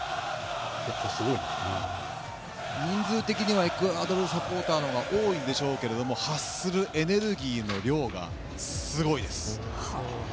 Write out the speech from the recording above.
人数的にはエクアドルサポーターの方が多いんでしょうけれども発するエネルギーの量がすごいです。